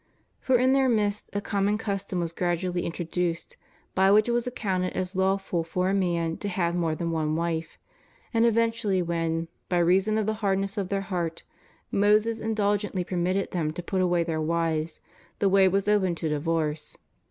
For in their midst a common custom was gradually intro duced, by which it was accounted as lawful for a man to have more than one wife; and eventually when by reason of the hardness of their heart,^ Moses indulgently permitted them to put away their wives, the way was open to di vorce.